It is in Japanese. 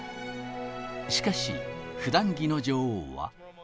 しかし、ふだん着の女王は。